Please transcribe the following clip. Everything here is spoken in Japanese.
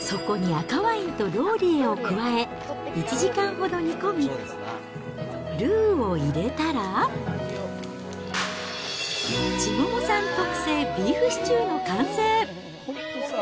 そこに赤ワインとローリエを加え、１時間ほど煮込み、ルーを入れたら、千桃さん特製、ビーフシチューの完成。